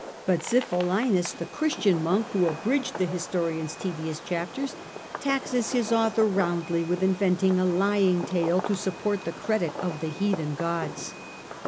But Xiphilinus, the Christian monk who abridged the historian's tedious chapters, taxes his author roundly with inventing a lying tale to support the credit of the heathen gods.